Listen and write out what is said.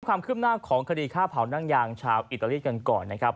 ความคืบหน้าของคดีฆ่าเผานั่งยางชาวอิตาลีกันก่อนนะครับ